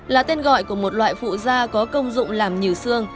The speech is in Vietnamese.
là tên gọi của một loại phụ da có công dụng làm nhừ xương